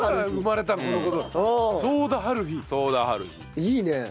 いいね！